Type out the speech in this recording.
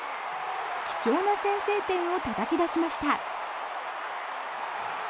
貴重な先制点をたたき出しました。